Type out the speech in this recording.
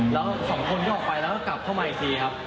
แล้วสองคนก็ออกไปแล้วก็กลับเข้ามาอีกทีครับ